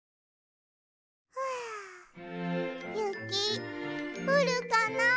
はあゆきふるかなあ？